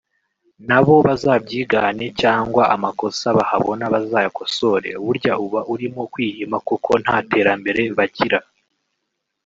na bo bazabyigane cyangwa amakosa bahabona bazayakosore burya uba urimo kwihima kuko nta terambere bagira